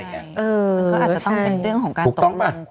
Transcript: มันก็อาจจะต้องเป็นเรื่องของการตรวงบุคคล